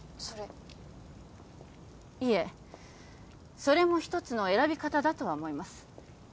それいえそれも一つの選び方だとは思います